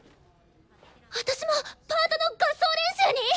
私もパートの合奏練習に！？